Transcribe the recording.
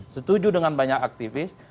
setuju dengan banyak aktivis